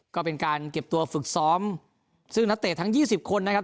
ก็เป็นการเก็บตัวฝึกซ้อมซึ่งนักเตะทั้งยี่สิบคนนะครับ